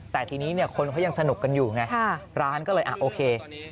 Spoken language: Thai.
แต่ทีนี้คนเขายังสนุกกันอยู่ไงร้านก็เลยโอเค